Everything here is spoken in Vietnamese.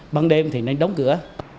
băng đêm thì nên đóng cửa